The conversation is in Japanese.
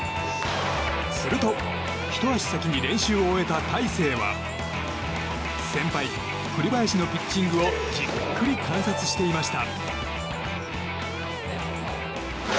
すると、ひと足先に練習を終えた大勢は先輩、栗林のピッチングをじっくり観察していました。